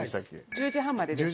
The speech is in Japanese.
１０時半までです。